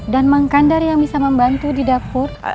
dan mangkandar yang bisa membantu di dapur